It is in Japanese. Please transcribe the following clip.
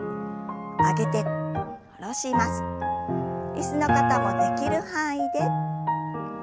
椅子の方もできる範囲で。